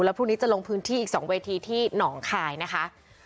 พรุ่งนี้จะลงพื้นที่อีก๒เวทีที่หนองคายนะคะ